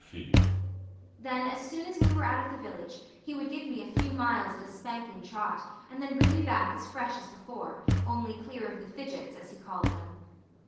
Then as soon as we were out of the village, he would give me a few miles at a spanking trot, and then bring me back as fresh as before, only clear of the fidgets, as he called them.